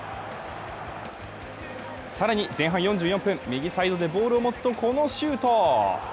更に前半４４分、右サイドでボールを持つとこのシュート。